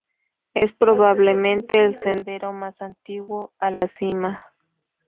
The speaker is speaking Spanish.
Es probablemente "el sendero más antiguo a la cima".